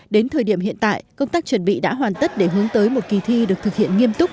đến thời điểm hiện tại công tác chuẩn bị đã hoàn tất để hướng tới một kỳ thi được thực hiện nghiêm túc